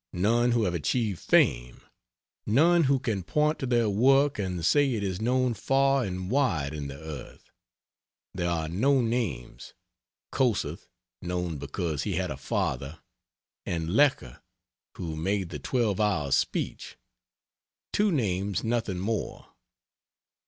none who have achieved fame; none who can point to their work and say it is known far and wide in the earth: there are no names; Kossuth (known because he had a father) and Lecher, who made the 12 hour speech; two names nothing more.